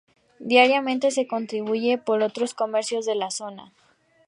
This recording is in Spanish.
Diariamente se distribuye por otros comercios de la zona.